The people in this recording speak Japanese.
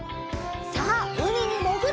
さあうみにもぐるよ！